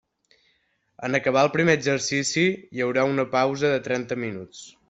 En acabar el primer exercici hi haurà una pausa de trenta minuts.